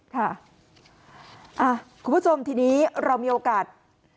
คุณผู้ชมทีนี้เรามีโอกาส